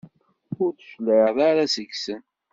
Ur d-tecliɛeḍ ara seg-sen?